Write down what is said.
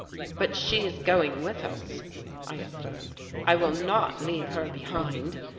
"But she is going with us," I affirmed. "I will not leave her behind.